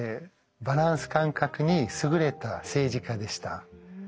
バランス感覚に優れた政治家でした。